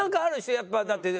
やっぱだって。